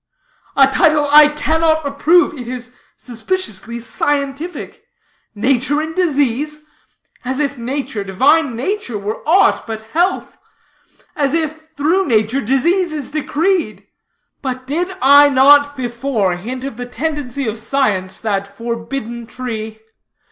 '" "A title I cannot approve; it is suspiciously scientific. 'Nature in Disease?' As if nature, divine nature, were aught but health; as if through nature disease is decreed! But did I not before hint of the tendency of science, that forbidden tree?